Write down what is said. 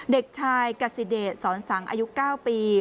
เด็กชายกสิเดชสอนสังอายุ๙ปี